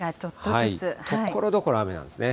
ところどころ雨なんですね。